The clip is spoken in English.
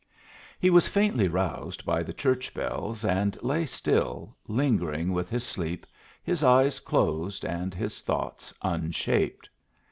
He was faintly roused by the church bells, and lay still, lingering with his sleep, his eyes closed, and his thoughts unshaped.